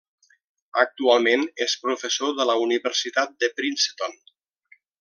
Actualment és professor de la Universitat de Princeton.